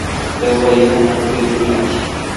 তবুও এখানে আমরা দুজনেই আছি।